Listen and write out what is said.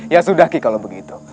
ya sudah ki kalau begitu